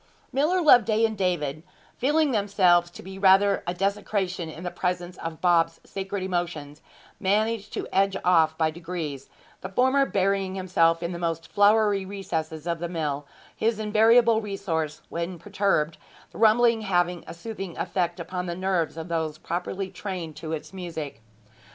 Miller Loveday and David, feeling themselves to be rather a desecration in the presence of Bob's sacred emotions, managed to edge off by degrees, the former burying himself in the most floury recesses of the mill, his invariable resource when perturbed, the rumbling having a soothing effect upon the nerves of those properly trained to its music.